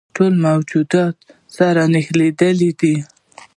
ټول موجودات سره نښلیدلي دي.